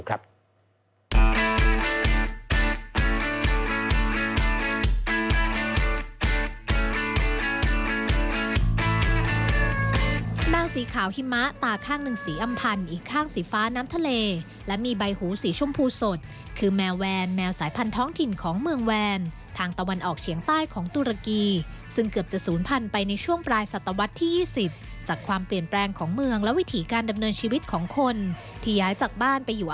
แมวสีขาวหิมะตาข้างหนึ่งสีอำพันธ์อีกข้างสีฟ้าน้ำทะเลและมีใบหูสีชมพูสดคือแมวแวนแมวสายพันธ้องถิ่นของเมืองแวนทางตะวันออกเฉียงใต้ของตุรกีซึ่งเกือบจะศูนย์พันธุ์ไปในช่วงปลายศตวรรษที่๒๐จากความเปลี่ยนแปลงของเมืองและวิถีการดำเนินชีวิตของคนที่ย้ายจากบ้านไปอยู่